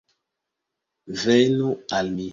Venu al mi!